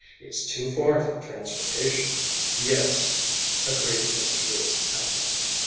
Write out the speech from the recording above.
It's too far from transportation." "Yes," agreed Mr. Bruce absently.